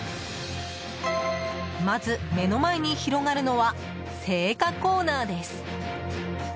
まず、目の前に広がるのは青果コーナーです。